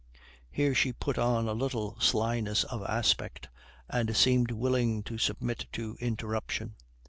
Here she put on a little slyness of aspect, and seemed willing to submit to interruption.